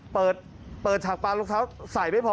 เปิดเปิดฉากปลารองเท้าใส่ไม่พอ